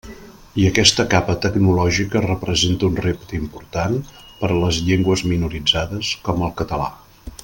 I aquesta capa tecnològica representa un repte important per a les llengües minoritzades, com el català.